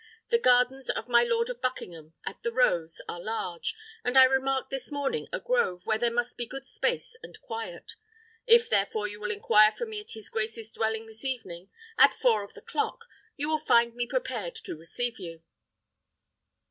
The gardens of my Lord of Buckingham, at the Rose, are large; and I remarked this morning a grove, where there must be good space and quiet. If, therefore, you will inquire for me at his grace's dwelling this evening, at four of the clock, you will find me prepared to receive you."